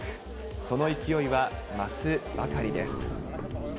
その勢いは増すばかりです。